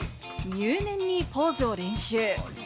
入念にポーズを練習。